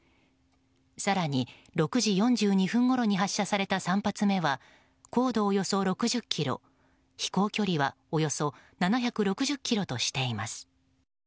更に６時４２分ごろに発射された３発目は高度およそ６０ｋｍ飛行距離はおよそ７６０ｋｍとしています。